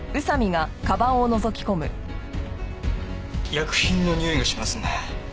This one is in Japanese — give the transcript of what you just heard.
薬品のにおいがしますね。